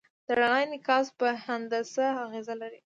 د رڼا انعکاس په هندسه اغېز لري.